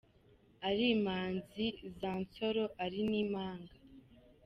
ari Imanzi za Nsoro, ari n’Imanga